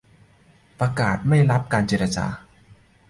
ประกาศไม่รับการเจรจา